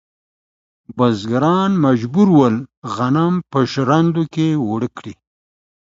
بزګران مجبور ول غنم په ژرندو کې اوړه کړي.